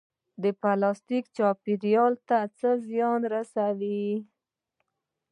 پلاستیک چاپیریال ته څه زیان رسوي؟